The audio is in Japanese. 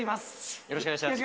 よろしくお願いします。